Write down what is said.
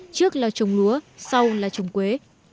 trước là trồng lúa sau là trồng cây